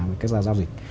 với các gia giao dịch